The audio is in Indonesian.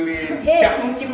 sih sih sih